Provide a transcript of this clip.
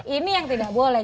ini yang tidak boleh